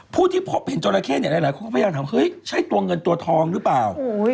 พูดที่เห็นจราเข้นหลายพวกเขาพยายามถามใช่ตัวเงินตัวทองหรือเปล่า